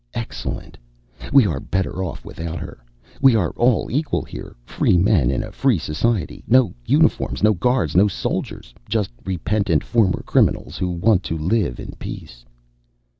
Excellent! We are better off without her. We are all equal here, free men in a free society. No uniforms, no guards, no soldiers. Just repentant former criminals who want to live in peace."